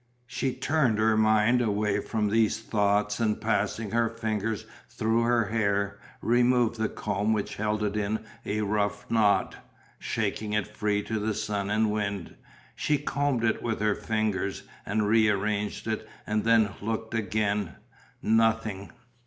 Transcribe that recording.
She turned her mind away from these thoughts and passing her fingers through her hair removed the comb which held it in a rough knot, shaking it free to the sun and wind. She combed it with her fingers and rearranged it and then looked again nothing.